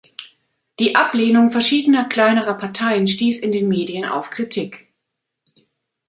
Die Ablehnung verschiedener kleinerer Parteien stieß in den Medien auf Kritik.